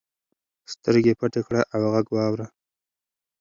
سترګې پټې کړه او غږ واوره.